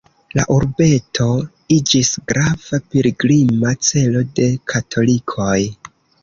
La urbeto iĝis grava pilgrima celo de katolikoj.